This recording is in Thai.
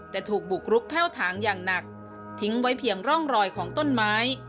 แต่ถูกบุกรุกแพ่วถางอย่างหนักทิ้งไว้เพียงร่องรอยของต้นไม้